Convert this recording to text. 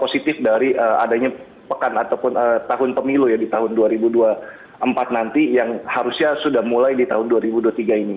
positif dari adanya pekan ataupun tahun pemilu ya di tahun dua ribu dua puluh empat nanti yang harusnya sudah mulai di tahun dua ribu dua puluh tiga ini